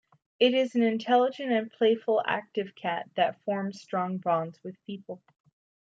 It is an intelligent and playful active cat that forms strong bonds with people.